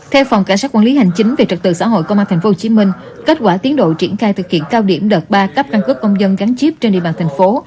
theo phòng cảnh sát quản lý hành chính về trật tự xã hội công an tp hcm kết quả tiến độ triển khai thực hiện cao điểm đợt ba cấp căn cước công dân gắn chip trên địa bàn thành phố